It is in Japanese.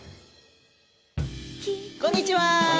こんにちは。